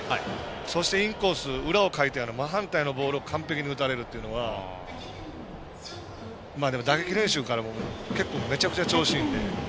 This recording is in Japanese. そしてインコース裏をかいたような真反対のボールを完璧に打たれるというのは打撃練習からも、めちゃくちゃ調子いいんで。